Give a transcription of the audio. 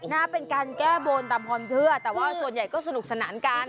นะเป็นการแก้บนตามความเชื่อแต่ว่าส่วนใหญ่ก็สนุกสนานกัน